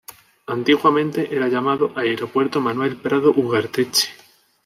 Antiguamente era llamado Aeropuerto Manuel Prado Ugarteche.